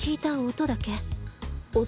音？